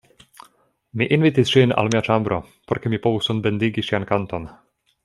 Mi invitis ŝin al mia ĉambro, por ke mi povu sonbendigi ŝian kanton.